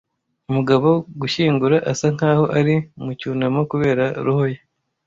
umugabo gushyingura asa nkaho ari mu cyunamo kubera roho ye